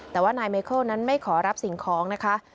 แต่ว่านายเมเคิลนั้นไม่ขอรับสิ่งของนะคะ